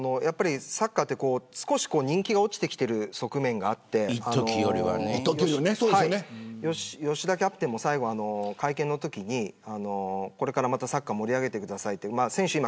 サッカーは少し人気が落ちてきている側面があって吉田キャプテンも最後、会見のときにこれからサッカーを盛り上げてくださいと。